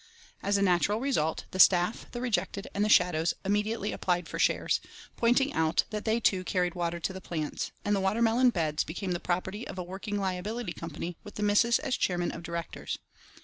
As a natural result, the Staff, the Rejected, and the Shadows immediately applied for shares—pointing out that they too carried water to the plants—and the water melon beds became the property of a Working Liability Company with the missus as Chairman of Directors.